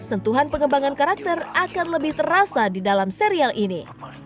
sentuhan pengembangan karakter akan lebih terasa di dalam serial ini